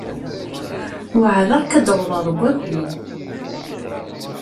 Weɛdeɣ-k ad d-awḍeɣ deg wakud.